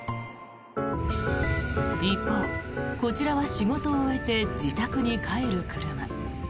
一方、こちらは仕事を終えて自宅に帰る車。